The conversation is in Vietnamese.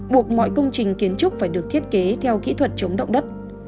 buộc mọi công trình kiến trúc phải được thiết kế theo kỹ thuật chống động đất